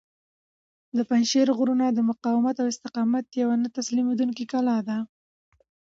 د پنجشېر غرونه د مقاومت او استقامت یوه نه تسلیمیدونکې کلا ده.